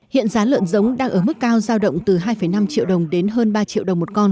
hiện giá lợn giống đang ở mức cao giao động từ hai năm triệu đồng đến hơn ba triệu đồng một con